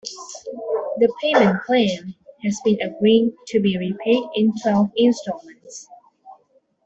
The payment plan has been agreed to be repaid in twelve instalments.